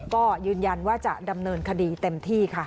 ก็ยืนยันว่าจะดำเนินคดีเต็มที่ค่ะ